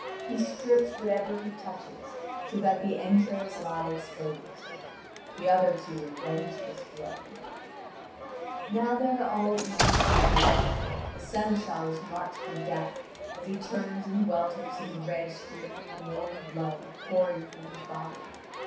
He strips whatever he touches, so that the entrails lie exposed. The other two avenge this blow. (Vv. 4533 4634.) Now they are all even on the field. The seneschal is marked for death, as he turns and welters in the red stream of warm blood pouring from his body.